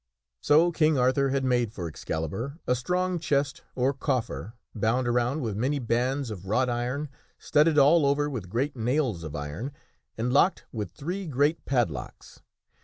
So King Arthur had made for Excalibur a strong chest or coffer, bound around with many bands of wrought iron, studded all over with great nails of iron, and locked with three great padlocks.